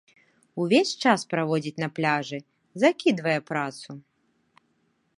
Увесь час праводзіць на пляжы, закідвае працу.